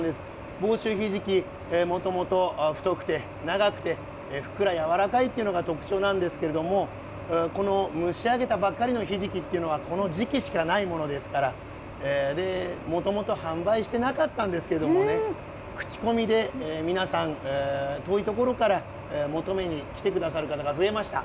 房州ひじき、もともと太くて長くて、ふっくら軟らかいっていうのが特徴なんですけれども、この蒸し上げたばっかりのひじきというのは、この時期しかないものですから、もともと販売してなかったんですけどね、口コミで皆さん、遠い所から求めに来てくださる方が増えました。